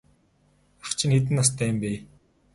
Ах чинь хэдэн настай юм бэ?